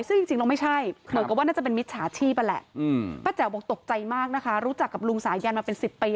อืมป้าเจ๋วบอกตกใจมากนะคะรู้จักกับลุงสายยันมาเป็นสิบปี